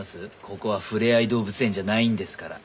ここはふれあい動物園じゃないんですから。